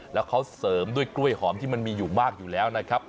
แล้วเขาเสริมด้วยกล้วยหอมที่มันมีอยู่มากอยู่แล้วนะครับ